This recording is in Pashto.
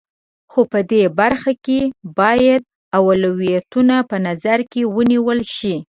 خو په دې برخه کې باید اولویتونه په نظر کې ونیول شي.